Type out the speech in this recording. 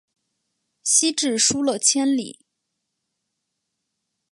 西至疏勒千里。